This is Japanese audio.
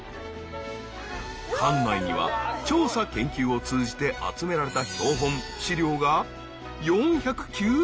館内には調査研究を通じて集められた